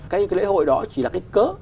cái lễ hội đó chỉ là cái cớ